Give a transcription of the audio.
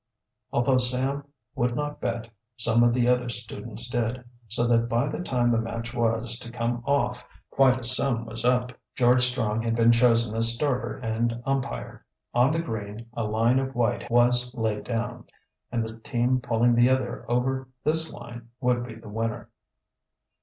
Although Sam would not bet, some of the other students did, so that by the time the match was to come off quite a sum was up. George Strong had been chosen as starter and umpire. On the green a line of white was laid down, and the team pulling the other over this line would be the winner.